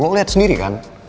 lu liat sendiri kan